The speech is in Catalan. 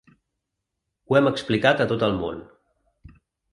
Ho hem explicat a tot el món.